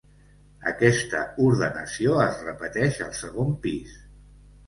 Aquesta ordenació es repeteix al segon pis.